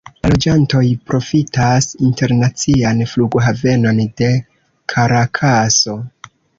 La loĝantoj profitas internacian flughavenon de Karakaso.